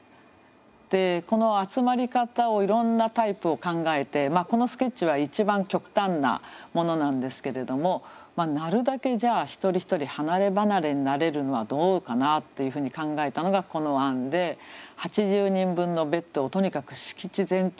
でこの集まり方をいろんなタイプを考えてこのスケッチは一番極端なものなんですけれどもなるだけ一人一人離れ離れになれるのはどうかなっていうふうに考えたのがこの案で８０人分のベッドをとにかく敷地全体に均等にちりばめたんですね。